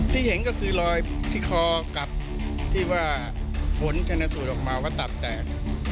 ที่เห็นก็คือรอยที่คอกับที่ว่าผลชนสูตรออกมาว่าตับแตก